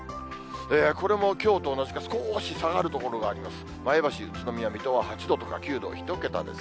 これもきょうと同じか少し下がる所があります。